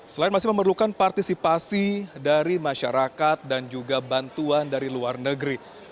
selain masih memerlukan partisipasi dari masyarakat dan juga bantuan dari luar negeri